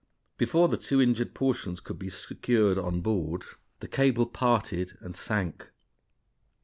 Before the two injured portions could be secured on board the cable parted and sank.